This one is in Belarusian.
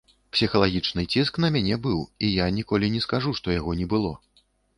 Псіхалагічны ціск на мяне быў і я ніколі не скажу, што яго не было.